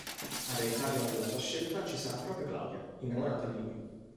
Ad aiutarlo nella sua scelta ci sarà proprio Claudia, innamorata di lui.